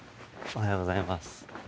おはようございます。